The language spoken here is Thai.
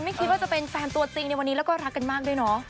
ไม่คิดว่าจะเป็นแฟนตัวจริงในวันนี้แล้วก็รักกันมากด้วยเนาะ